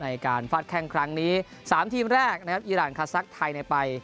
ฟาดแข้งครั้งนี้๓ทีมแรกนะครับอีรานคาซักไทยไป